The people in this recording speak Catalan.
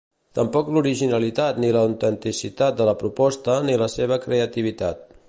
Tampoc l'originalitat ni l'autenticitat de la proposta ni la seva creativitat.